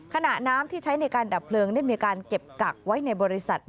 ขณะน้ำที่ใช้ในการดับเพลิงได้มีการเก็บกักไว้ในบริษัท